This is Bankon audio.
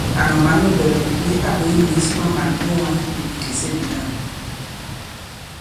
Ànu mǎn nu dɔ̀lɔ̀bìbi a bwě mǐs ma màn muwā nì bìkèse bīnân.